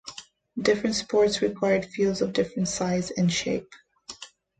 Different sports require fields of different size and shape.